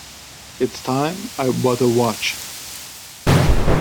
It's time I bought a watch.